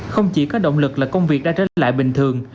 không chỉ có động lực là công việc đã trở lại bình thường